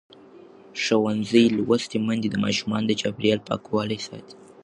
ښوونځې لوستې میندې د ماشومانو د چاپېریال پاکوالي ساتي.